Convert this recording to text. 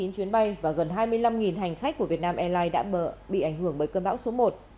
một trăm bốn mươi chín chuyến bay và gần hai mươi năm hành khách của việt nam airlines đã bị ảnh hưởng bởi cơn bão số một